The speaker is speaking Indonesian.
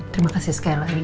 terima kasih sekali lagi